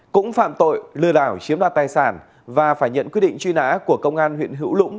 cũng phạm tội lừa đảo chiếm đoạt tài sản và phải nhận quyết định truy nã của công an huyện hữu lũng